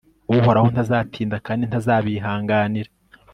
uhoraho ntazatinda kandi ntazabihanganira